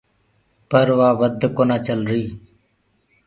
پر وآ وڌ ڪونآ چلري۔